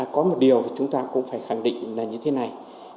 có một điều chúng ta cũng phải khẳng định là như thế này